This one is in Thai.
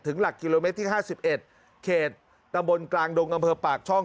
ถึงหลักกิโลเมตรที่ห้าสิบเอ็ดเขตตำบลกลางดงอำเภอปากช่อง